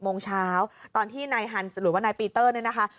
โมงเช้าตอนที่นายฮันส์หรือว่านายปีเตอร์เนี่ยนะคะ